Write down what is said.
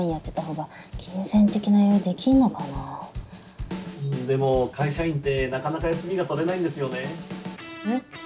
うんでも会社員ってなかなか休みが取れないんですよねえっ？